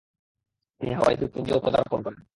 তিনি হাওয়াই দ্বীপপুঞ্জেও পদার্পণ করেন।